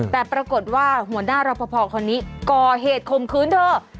แต่ปรากฏว่าหัวหน้ารอปภคนนี้ก่อเหตุคมคืนเธอ